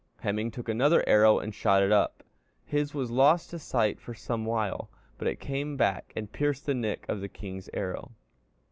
Hemingr took another arrow and shot up; his was lost to sight for some while, but it came back and pierced the nick of the king's arrow....